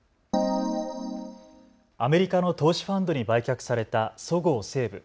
アメリカの投資ファンドに売却されたそごう・西武。